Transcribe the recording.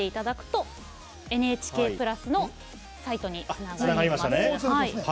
ＮＨＫプラスのサイトにつながります。